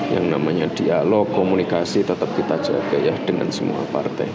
yang namanya dialog komunikasi tetap kita jaga ya dengan semua partai